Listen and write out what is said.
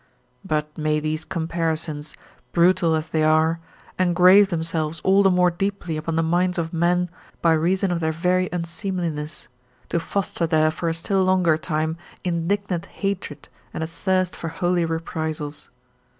But may these comparisons, brutal as they are, engrave themselves all the more deeply upon the minds of men by reason of their very unseemliness, to foster there for a still longer time indignant hatred and a thirst for holy reprisals.